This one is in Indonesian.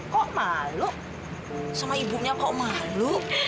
kok malu sama ibunya kok malu